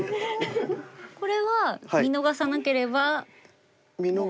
これは見逃さなければもう。